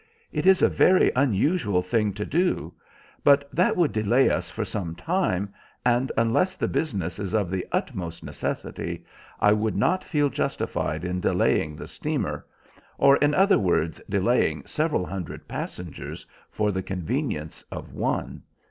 It is a very unusual thing to do. But that would delay us for some time, and unless the business is of the utmost necessity, I would not feel justified in delaying the steamer, or in other words delaying several hundred passengers for the convenience of one.